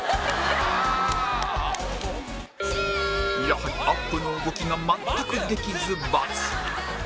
やはりアップの動きが全くできず×